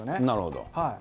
なるほど。